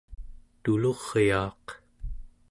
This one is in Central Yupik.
tuluryaaq